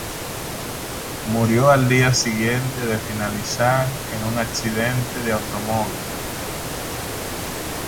Murió al día siguiente de finalizar en un accidente en automóvil.